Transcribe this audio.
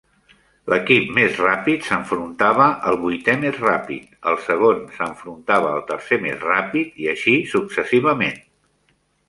L'equip més ràpid s'enfrontava al vuitè més ràpid, el segon s'enfrontava al tercer més ràpid, i així successivament.